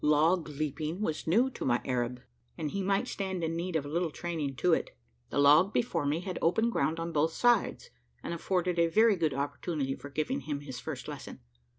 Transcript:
Log leaping was new to my Arab; and he might stand in need of a little training to it. The log before me had open ground on both sides; and afforded a very good opportunity for giving him his first lesson.